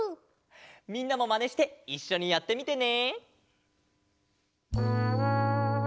みんなもまねしていっしょにやってみてね！